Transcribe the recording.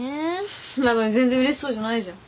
なのに全然うれしそうじゃないじゃん。